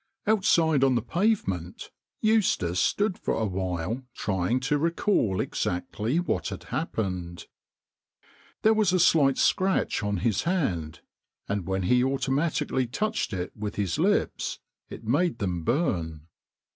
Outside on the pavement Eustace stood for a while trying to recall exactly what had happened. There was a slight scratch on his hand, and when he automatically touched it with his lips, it made them burn.